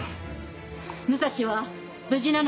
武蔵は無事なの？